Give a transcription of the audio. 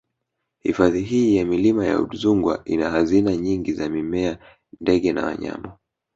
Hifadhi hii ya Milima ya Udzungwa ina hazina nyingi za mimea ndege na wanyama